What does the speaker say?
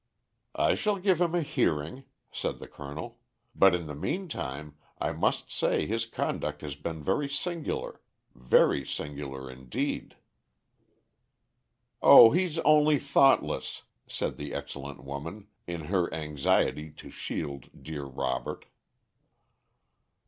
"I shall give him a hearing," said the Colonel; "but in the meantime I must say his conduct has been very singular very singular indeed." "O he's only thoughtless!" said the excellent woman, in her anxiety to shield "dear Robert."